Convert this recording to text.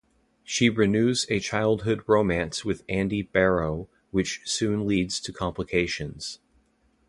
She renews a childhood romance with Andy Barrow, which soon leads to complications.